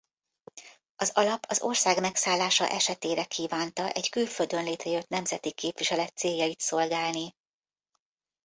Az alap az ország megszállása esetére kívánta egy külföldön létrejött nemzeti képviselet céljait szolgálni.